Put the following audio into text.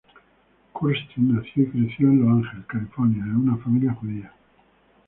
Kurstin nació y creció en Los Ángeles, California, en una familia judía.